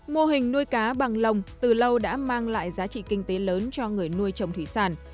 mô hình nuôi cá bằng lồng từ lâu đã mang lại giá trị kinh tế lớn cho người nuôi trồng thủy sản